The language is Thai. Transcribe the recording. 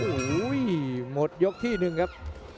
อูมดยกที่หนึ่งครับ